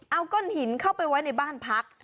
เอาก้อนหินเข้าไปไว้ในบ้านพัก